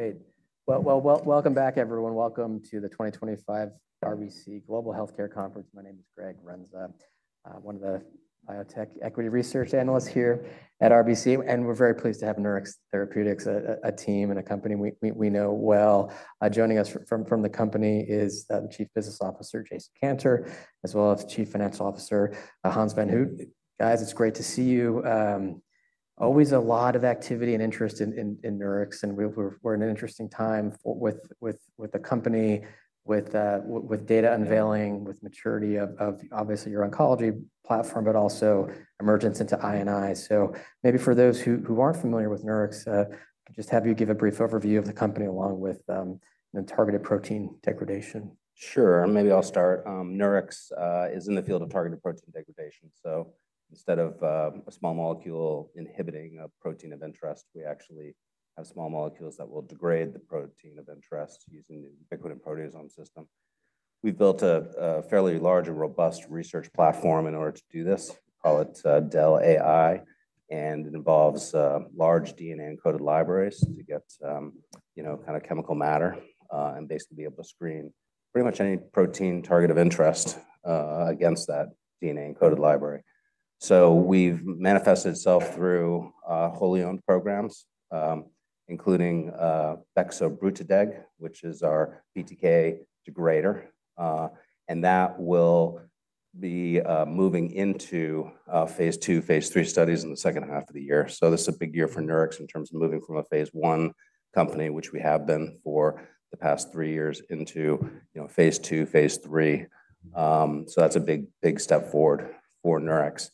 Great. Welcome back, everyone. Welcome to the 2025 RBC Global Healthcare Conference. My name is Greg Renza, one of the biotech equity research analysts here at RBC, and we're very pleased to have Nurix Therapeutics, a team and a company we know well. Joining us from the company is the Chief Business Officer, Jason Cantor, as well as Chief Financial Officer, Hans Van Houte. Guys, it's great to see you. Always a lot of activity and interest in Nurix, and we're in an interesting time with the company, with data unveiling, with maturity of, obviously, your oncology platform, but also emergence into I&I. Maybe for those who aren't familiar with Nurix, just have you give a brief overview of the company along with targeted protein degradation. Sure. Maybe I'll start. Nurix is in the field of targeted protein degradation. Instead of a small molecule inhibiting a protein of interest, we actually have small molecules that will degrade the protein of interest using the ubiquitous proteasome system. We've built a fairly large and robust research platform in order to do this. We call it DEL-AI, and it involves large DNA-encoded libraries to get kind of chemical matter and basically be able to screen pretty much any protein target of interest against that DNA-encoded library. It has manifested itself through wholly owned programs, including Bexobrutideg, which is our BTK degrader, and that will be moving into phase two, phase three studies in the second half of the year. This is a big year for Nurix Therapeutics in terms of moving from a phase one company, which we have been for the past three years, into phase two, phase three. That's a big step forward for Nurix.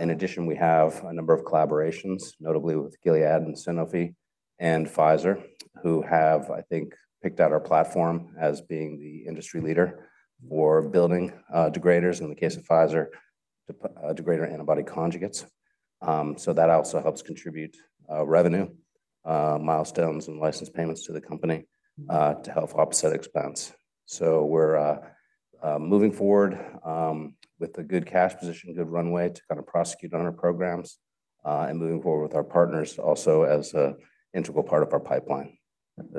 In addition, we have a number of collaborations, notably with Gilead Sciences and Sanofi and Pfizer, who have, I think, picked out our platform as being the industry leader for building degraders, in the case of Pfizer, degrader antibody conjugates. That also helps contribute revenue milestones and license payments to the company to help offset expense. We're moving forward with a good cash position, good runway to kind of prosecute on our programs and moving forward with our partners also as an integral part of our pipeline.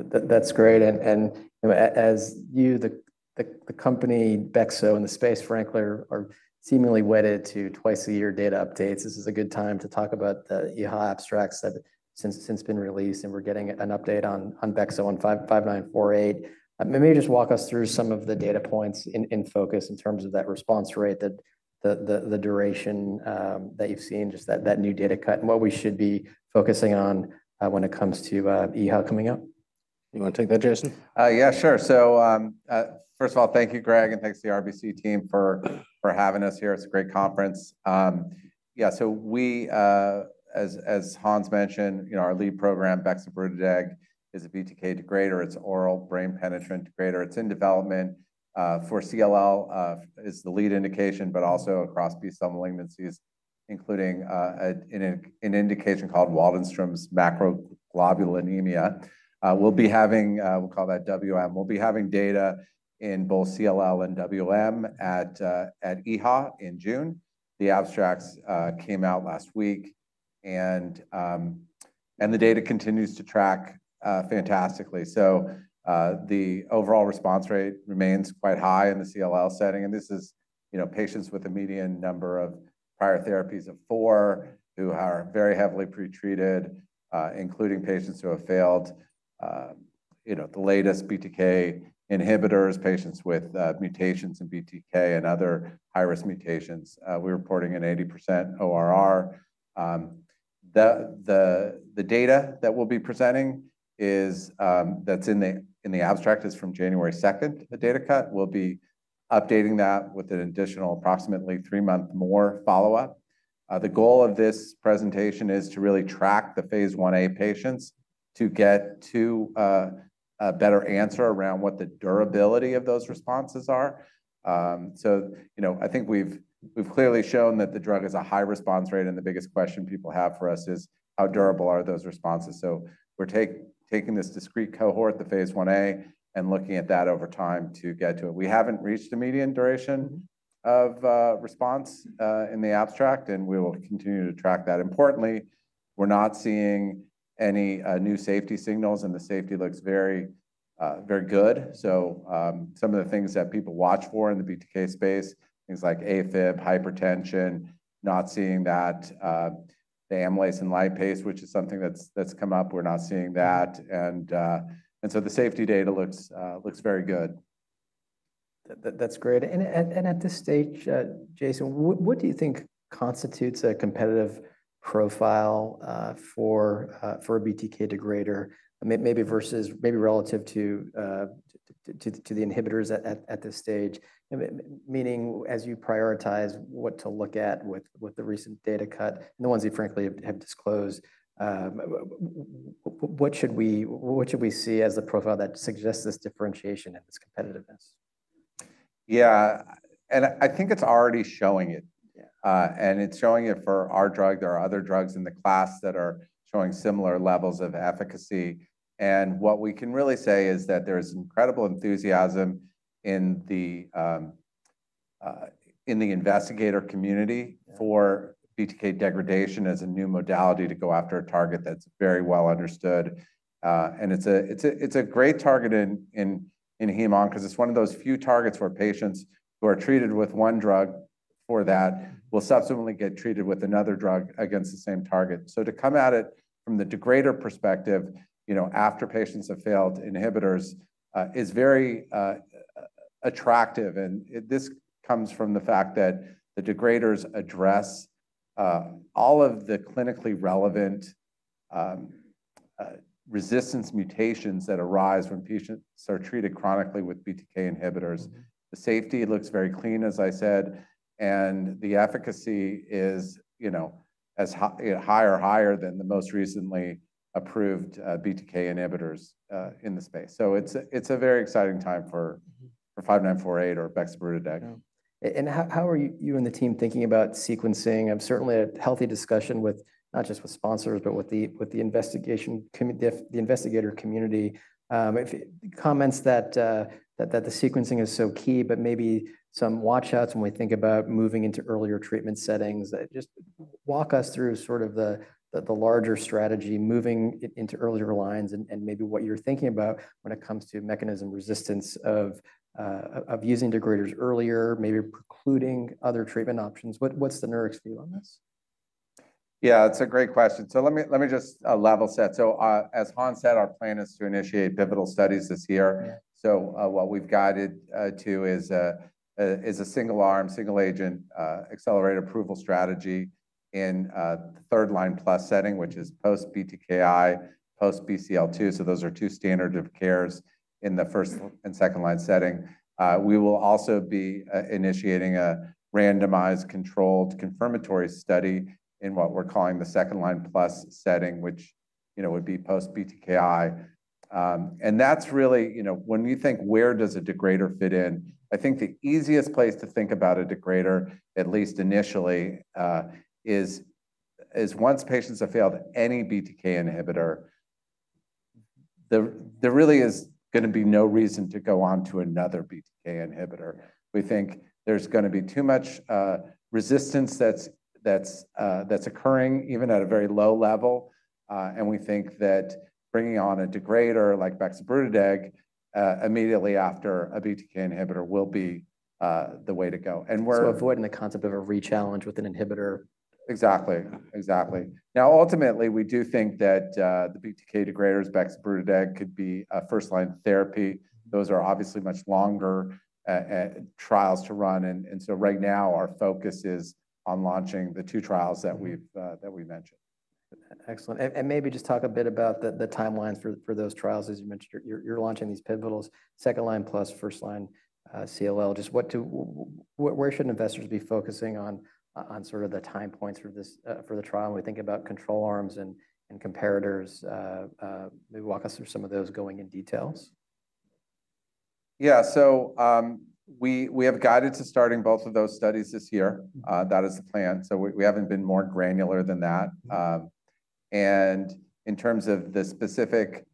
That's great. As you, the company, Bexo in the space, frankly, are seemingly wedded to twice a year data updates, this is a good time to talk about the EHA abstracts that have since been released, and we're getting an update on Bexo on 5948. Maybe just walk us through some of the data points in focus in terms of that response rate, the duration that you've seen, just that new data cut, and what we should be focusing on when it comes to EHA coming up. You want to take that, Jason? Yeah, sure. First of all, thank you, Greg, and thanks to the RBC team for having us here. It's a great conference. Yeah, as Hans mentioned, our lead program, Bexobrutideg, is a BTK degrader. It's an oral brain-penetrant degrader. It's in development for CLL, which is the lead indication, but also across B-cell malignancies, including an indication called Waldenström macroglobulinemia. We'll be having, we'll call that WM. We'll be having data in both CLL and WM at EHA in June. The abstracts came out last week, and the data continues to track fantastically. The overall response rate remains quite high in the CLL setting. This is patients with a median number of prior therapies of four who are very heavily pretreated, including patients who have failed the latest BTK inhibitors, patients with mutations in BTK and other high-risk mutations. We're reporting an 80% ORR. The data that we'll be presenting that's in the abstract is from January 2, the data cut. We'll be updating that with an additional approximately three-month more follow-up. The goal of this presentation is to really track the phase one A patients to get to a better answer around what the durability of those responses are. I think we've clearly shown that the drug has a high response rate, and the biggest question people have for us is, how durable are those responses? We're taking this discrete cohort, the phase one A, and looking at that over time to get to it. We haven't reached the median duration of response in the abstract, and we will continue to track that. Importantly, we're not seeing any new safety signals, and the safety looks very good. Some of the things that people watch for in the BTK space, things like AFib, hypertension, not seeing that. The amylase and lipase, which is something that's come up, we're not seeing that. The safety data looks very good. That's great. At this stage, Jason, what do you think constitutes a competitive profile for a BTK degrader, maybe relative to the inhibitors at this stage? Meaning, as you prioritize what to look at with the recent data cut and the ones you frankly have disclosed, what should we see as the profile that suggests this differentiation and this competitiveness? Yeah, and I think it's already showing it. It's showing it for our drug. There are other drugs in the class that are showing similar levels of efficacy. What we can really say is that there is incredible enthusiasm in the investigator community for BTK degradation as a new modality to go after a target that's very well understood. It's a great target in Hem-Onc because it's one of those few targets where patients who are treated with one drug for that will subsequently get treated with another drug against the same target. To come at it from the degrader perspective after patients have failed inhibitors is very attractive. This comes from the fact that the degraders address all of the clinically relevant resistance mutations that arise when patients are treated chronically with BTK inhibitors. The safety looks very clean, as I said, and the efficacy is higher than the most recently approved BTK inhibitors in the space. It is a very exciting time for 5948 or Bexobrutideg. How are you and the team thinking about sequencing? I'm certainly a healthy discussion with not just with sponsors, but with the investigator community. Comments that the sequencing is so key, but maybe some watchouts when we think about moving into earlier treatment settings. Just walk us through sort of the larger strategy, moving into earlier lines, and maybe what you're thinking about when it comes to mechanism resistance of using degraders earlier, maybe precluding other treatment options. What's the Nurix view on this? Yeah, it's a great question. Let me just level set. As Hans said, our plan is to initiate pivotal studies this year. What we've guided to is a single-arm, single-agent accelerated approval strategy in the third-line plus setting, which is post-BTKI, post-BCL2. Those are two standard of cares in the first and second-line setting. We will also be initiating a randomized controlled confirmatory study in what we're calling the second-line plus setting, which would be post-BTKI. That's really, when you think, where does a degrader fit in? I think the easiest place to think about a degrader, at least initially, is once patients have failed any BTK inhibitor, there really is going to be no reason to go on to another BTK inhibitor. We think there's going to be too much resistance that's occurring, even at a very low level. We think that bringing on a degrader like Bexobrutideg immediately after a BTK inhibitor will be the way to go. Avoiding the concept of a re-challenge with an inhibitor. Exactly. Exactly. Now, ultimately, we do think that the BTK degraders, Bexobrutideg, could be a first-line therapy. Those are obviously much longer trials to run. Right now, our focus is on launching the two trials that we mentioned. Excellent. Maybe just talk a bit about the timelines for those trials. As you mentioned, you're launching these pivotals, second-line plus first-line CLL. Where should investors be focusing on sort of the time points for the trial when we think about control arms and comparators? Maybe walk us through some of those going in details. Yeah, we have guided to starting both of those studies this year. That is the plan. We have not been more granular than that. In terms of the specific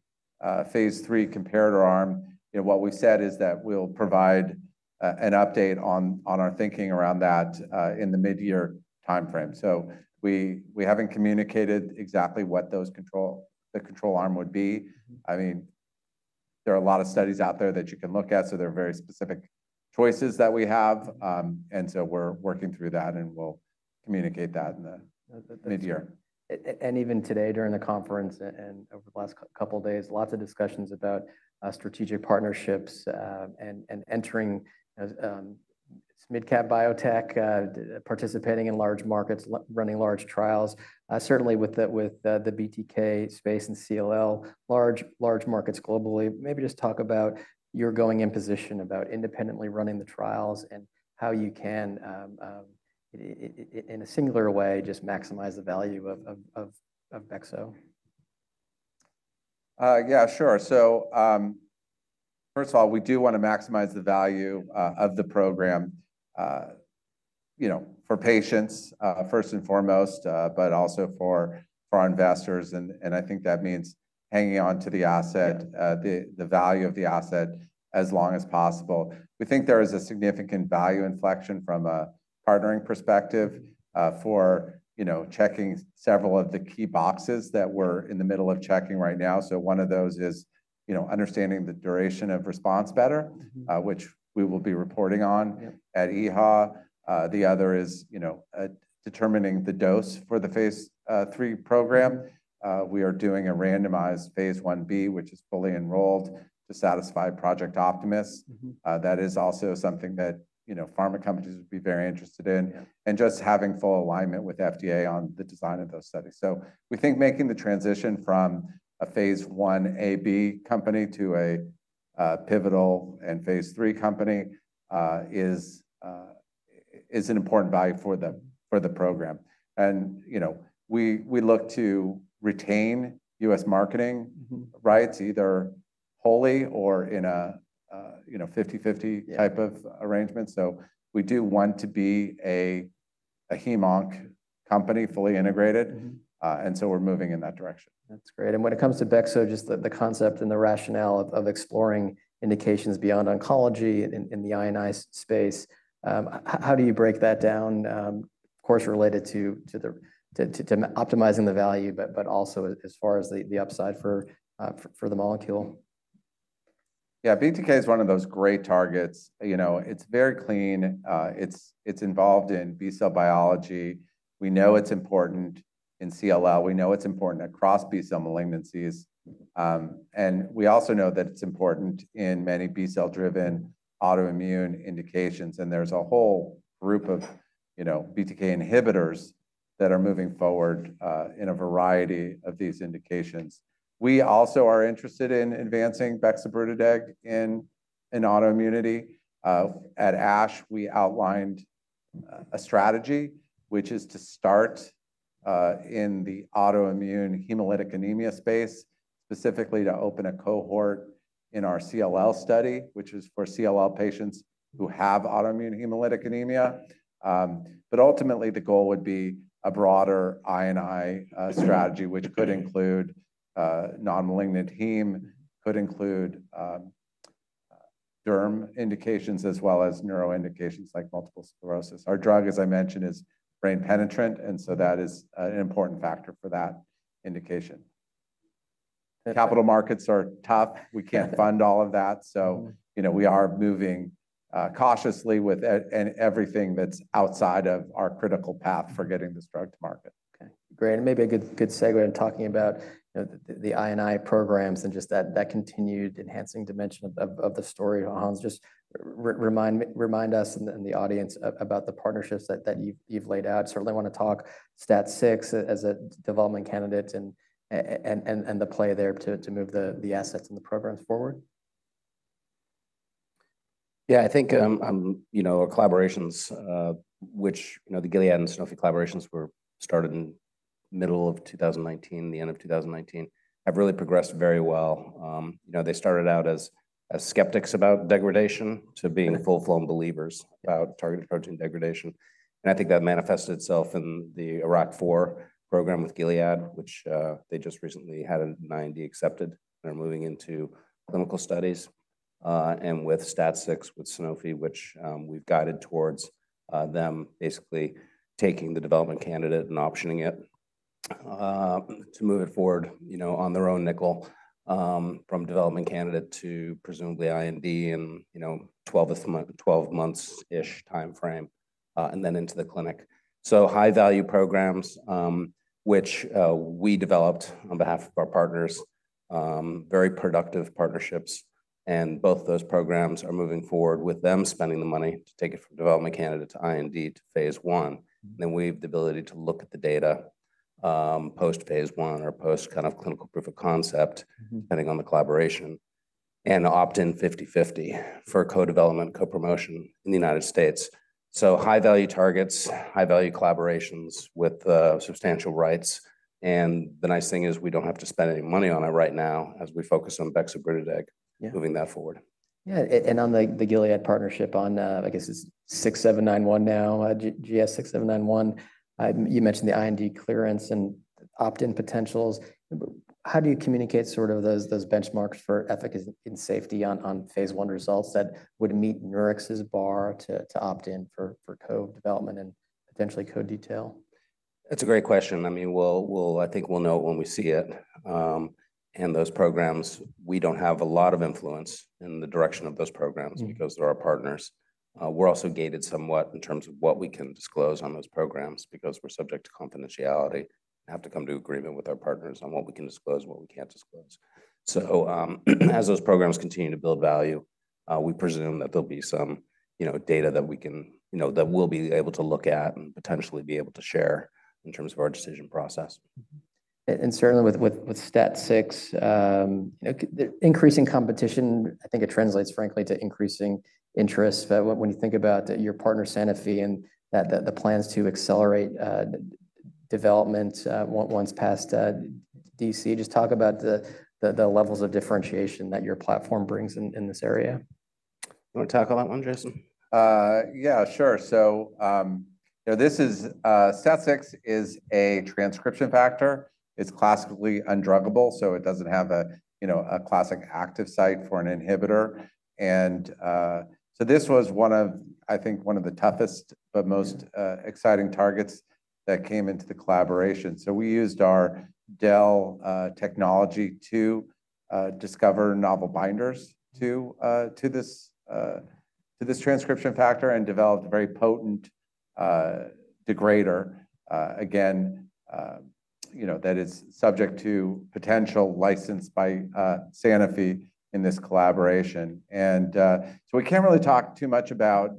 phase three comparator arm, what we said is that we will provide an update on our thinking around that in the mid-year timeframe. We have not communicated exactly what the control arm would be. I mean, there are a lot of studies out there that you can look at. There are very specific choices that we have. We are working through that, and we will communicate that in the mid-year. Even today during the conference and over the last couple of days, lots of discussions about strategic partnerships and entering mid-cap biotech, participating in large markets, running large trials. Certainly with the BTK space and CLL, large markets globally. Maybe just talk about your going in position about independently running the trials and how you can, in a singular way, just maximize the value of Bexobrutideg. Yeah, sure. First of all, we do want to maximize the value of the program for patients, first and foremost, but also for our investors. I think that means hanging on to the asset, the value of the asset as long as possible. We think there is a significant value inflection from a partnering perspective for checking several of the key boxes that we're in the middle of checking right now. One of those is understanding the duration of response better, which we will be reporting on at EHA. The other is determining the dose for the phase three program. We are doing a randomized phase 1b, which is fully enrolled to satisfy Project Optimus. That is also something that pharma companies would be very interested in and just having full alignment with FDA on the design of those studies. We think making the transition from a phase one AB company to a pivotal and phase three company is an important value for the program. We look to retain US marketing rights either wholly or in a 50/50 type of arrangement. We do want to be a Hem-Onc company fully integrated. We are moving in that direction. That's great. When it comes to Bexo, just the concept and the rationale of exploring indications beyond oncology in the immunized space, how do you break that down, of course, related to optimizing the value, but also as far as the upside for the molecule? Yeah, BTK is one of those great targets. It's very clean. It's involved in B cell biology. We know it's important in CLL. We know it's important across B cell malignancies. We also know that it's important in many B cell-driven autoimmune indications. There's a whole group of BTK inhibitors that are moving forward in a variety of these indications. We also are interested in advancing Bexobrutideg in autoimmunity. At ASH, we outlined a strategy, which is to start in the autoimmune hemolytic anemia space, specifically to open a cohort in our CLL study, which is for CLL patients who have autoimmune hemolytic anemia. Ultimately, the goal would be a broader ionized strategy, which could include non-malignant heme, could include derm indications, as well as neuro indications like multiple sclerosis. Our drug, as I mentioned, is brain penetrant, and that is an important factor for that indication. Capital markets are tough. We can't fund all of that. We are moving cautiously with everything that's outside of our critical path for getting this drug to market. Okay. Great. Maybe a good segue on talking about the ionized programs and just that continued enhancing dimension of the story. Hans, just remind us and the audience about the partnerships that you've laid out. Certainly want to talk STAT6 as a development candidate and the play there to move the assets and the programs forward. Yeah, I think our collaborations, which the Gilead and Sanofi collaborations were started in the middle of 2019, the end of 2019, have really progressed very well. They started out as skeptics about degradation to being full-blown believers about targeted protein degradation. I think that manifested itself in the IRAK4 program with Gilead, which they just recently had an IND accepted. They're moving into clinical studies. With STAT6 with Sanofi, which we've guided towards them basically taking the development candidate and optioning it to move it forward on their own nickel from development candidate to presumably IND in a 12 months-ish timeframe and then into the clinic. High-value programs, which we developed on behalf of our partners, very productive partnerships. Both of those programs are moving forward with them spending the money to take it from development candidate to IND to phase one. We have the ability to look at the data post phase one or post kind of clinical proof of concept, depending on the collaboration, and opt in 50/50 for co-development, co-promotion in the U.S. High-value targets, high-value collaborations with substantial rights. The nice thing is we do not have to spend any money on it right now as we focus on Bexobrutideg, moving that forward. Yeah. On the Gilead partnership, I guess it's 6791 now, GS-6791. You mentioned the IND clearance and opt-in potentials. How do you communicate sort of those benchmarks for ethics and safety on phase one results that would meet Nurix's bar to opt in for co-development and potentially co-detail? That's a great question. I mean, I think we'll know it when we see it. Those programs, we don't have a lot of influence in the direction of those programs because they're our partners. We're also gated somewhat in terms of what we can disclose on those programs because we're subject to confidentiality and have to come to agreement with our partners on what we can disclose, what we can't disclose. As those programs continue to build value, we presume that there'll be some data that we can, that we'll be able to look at and potentially be able to share in terms of our decision process. Certainly with STAT6, increasing competition, I think it translates, frankly, to increasing interest. When you think about your partner, Sanofi, and the plans to accelerate development once past DC, just talk about the levels of differentiation that your platform brings in this area. You want to tackle that one, Jason? Yeah, sure. This is STAT6. It is a transcription factor. It is classically undruggable, so it does not have a classic active site for an inhibitor. This was, I think, one of the toughest but most exciting targets that came into the collaboration. We used our DEL technology to discover novel binders to this transcription factor and developed a very potent degrader. Again, that is subject to potential license by Sanofi in this collaboration. We cannot really talk too much about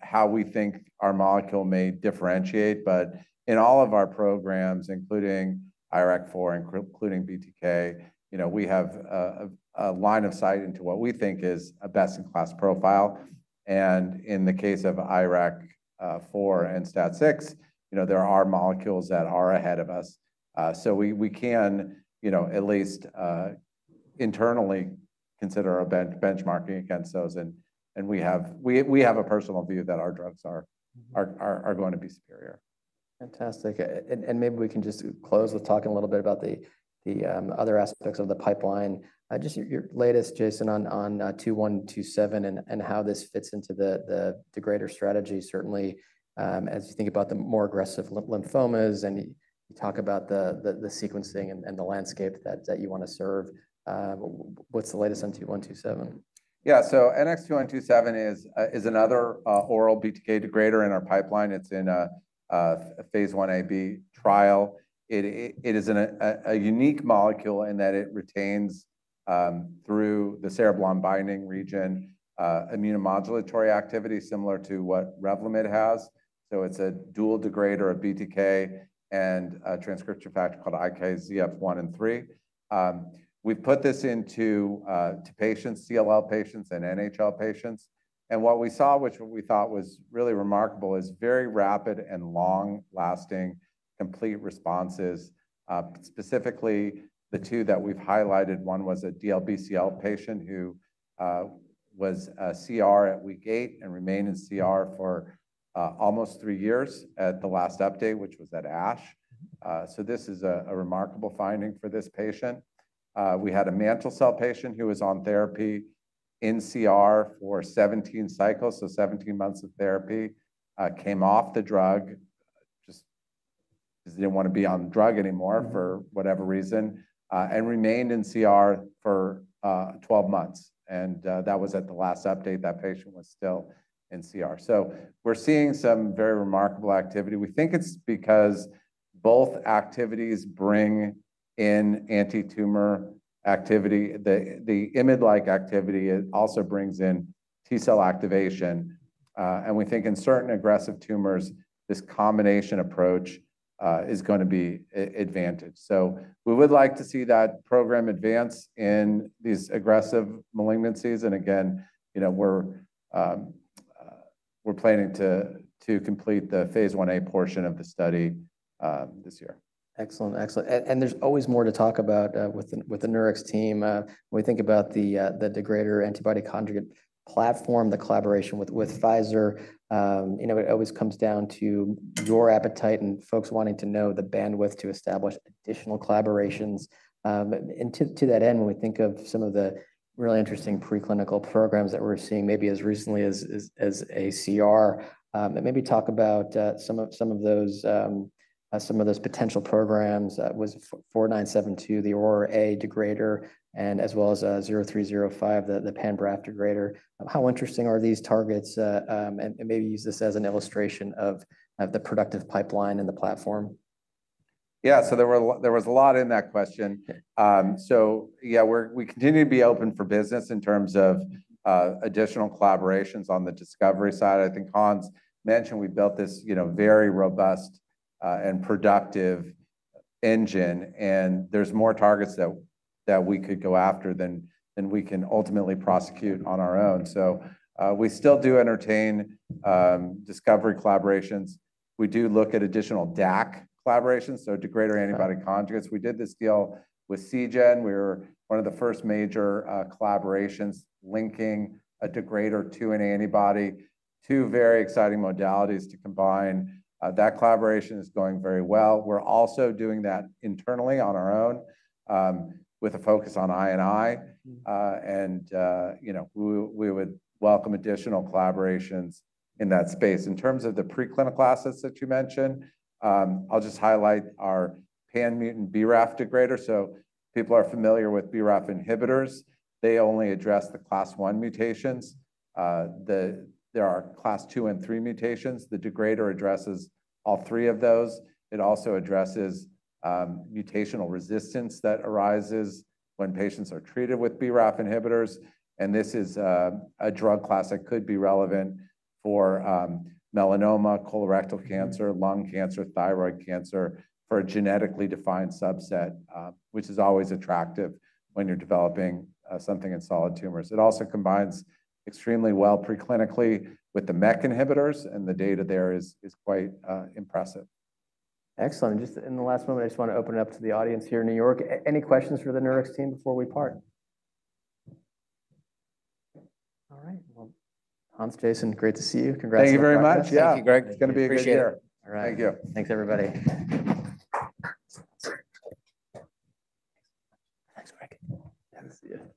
how we think our molecule may differentiate. In all of our programs, including IRAK4 and including BTK, we have a line of sight into what we think is a best-in-class profile. In the case of IRAK4 and STAT6, there are molecules that are ahead of us. We can at least internally consider our benchmarking against those. We have a personal view that our drugs are going to be superior. Fantastic. Maybe we can just close with talking a little bit about the other aspects of the pipeline. Just your latest, Jason, on 2127 and how this fits into the degrader strategy, certainly, as you think about the more aggressive lymphomas and you talk about the sequencing and the landscape that you want to serve. What's the latest on 2127? Yeah, so NX-2127 is another oral BTK degrader in our pipeline. It's in a phase one AB trial. It is a unique molecule in that it retains, through the cerebellum binding region, immunomodulatory activity similar to what Revlimid has. So it's a dual degrader of BTK and a transcription factor called IKZF1 and 3. We've put this into patients, CLL patients and NHL patients. What we saw, which we thought was really remarkable, is very rapid and long-lasting complete responses. Specifically, the two that we've highlighted, one was a DLBCL patient who was CR at week eight and remained in CR for almost three years at the last update, which was at ASH. This is a remarkable finding for this patient. We had a mantle cell patient who was on therapy in CR for 17 cycles, so 17 months of therapy, came off the drug, just didn't want to be on the drug anymore for whatever reason, and remained in CR for 12 months. That was at the last update. That patient was still in CR. We're seeing some very remarkable activity. We think it's because both activities bring in anti-tumor activity. The imid-like activity also brings in T cell activation. We think in certain aggressive tumors, this combination approach is going to be advantaged. We would like to see that program advance in these aggressive malignancies. We're planning to complete the phase one A portion of the study this year. Excellent. Excellent. There is always more to talk about with the Nurix team. When we think about the degrader antibody conjugate platform, the collaboration with Pfizer, it always comes down to your appetite and folks wanting to know the bandwidth to establish additional collaborations. To that end, when we think of some of the really interesting preclinical programs that we are seeing, maybe as recently as a CR, and maybe talk about some of those potential programs, was 4972, the Aurora A degrader, and as well as 0305, the pan-BRAF degrader. How interesting are these targets? Maybe use this as an illustration of the productive pipeline and the platform. Yeah, so there was a lot in that question. Yeah, we continue to be open for business in terms of additional collaborations on the discovery side. I think Hans mentioned we built this very robust and productive engine. There are more targets that we could go after than we can ultimately prosecute on our own. We still do entertain discovery collaborations. We do look at additional DAC collaborations, so degrader antibody conjugates. We did this deal with CGen. We were one of the first major collaborations linking a degrader to an antibody, two very exciting modalities to combine. That collaboration is going very well. We are also doing that internally on our own with a focus on INI. We would welcome additional collaborations in that space. In terms of the preclinical assets that you mentioned, I'll just highlight our pan-mutant BRAF degrader. People are familiar with BRAF inhibitors. They only address the class one mutations. There are class two and three mutations. The degrader addresses all three of those. It also addresses mutational resistance that arises when patients are treated with BRAF inhibitors. This is a drug class that could be relevant for melanoma, colorectal cancer, lung cancer, thyroid cancer, for a genetically defined subset, which is always attractive when you're developing something in solid tumors. It also combines extremely well preclinically with the MEK inhibitors, and the data there is quite impressive. Excellent. Just in the last moment, I just want to open it up to the audience here in New York. Any questions for the Nurix team before we part? All right. Hans, Jason, great to see you. Congratulations. Thank you very much. Yeah. Thank you, Greg. It's going to be a great year. All right. Thank you. Thanks, everybody.